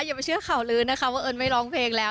อย่าไปเชื่อข่าวลื้อนะคะว่าเอิญไม่ร้องเพลงแล้ว